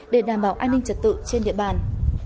để đảm bảo an ninh trật tự trên địa bàn